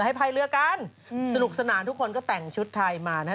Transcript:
พายเรือกันสนุกสนานทุกคนก็แต่งชุดไทยมานะฮะ